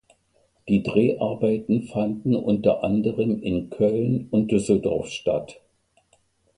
Die Dreharbeiten fanden unter anderem in Köln und Düsseldorf statt.